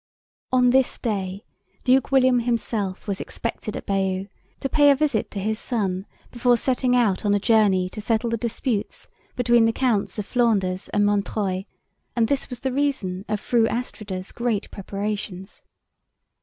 On this day, Duke William himself was expected at Bayeux, to pay a visit to his son before setting out on a journey to settle the disputes between the Counts of Flanders and Montreuil, and this was the reason of Fru Astrida's great preparations.